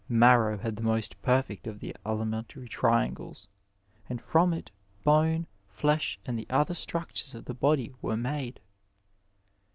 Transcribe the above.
Mar row had the most perfect of the elementary triangles, and from it bone, flesh, and the other structures of the body were made.